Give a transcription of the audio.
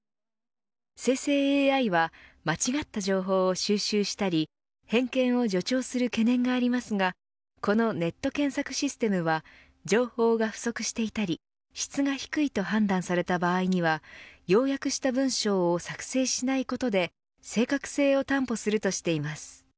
生成ＡＩは間違った情報を収集したり偏見を助長する懸念がありますがこのネット検索システムは情報が不足していたり質が低いと判断された場合には要約した文章を作成しないことで正確性を担保するとしています。